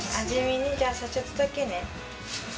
味見ね、じゃあ、ちょっとだけね。